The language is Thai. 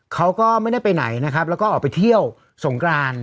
เขาก็ไม่ได้ไปไหนนะครับแล้วก็ออกไปเที่ยวสงกราน